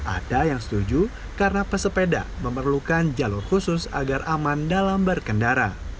ada yang setuju karena pesepeda memerlukan jalur khusus agar aman dalam berkendara